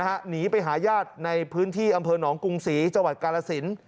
หนีไปหาญาติในพื้นที่อำเภอหนองกรุงศรีจังหวัดกาลสิน